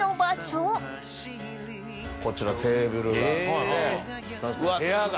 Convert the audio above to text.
こちらテーブルがあってそして部屋が。